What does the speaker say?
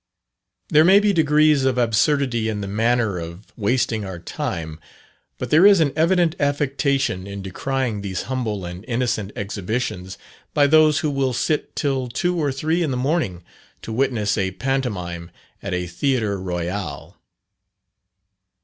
There may be degrees of absurdity in the manner of wasting our time, but there is an evident affectation in decrying these humble and innocent exhibitions, by those who will sit till two or three in the morning to witness a pantomime at a theatre royal.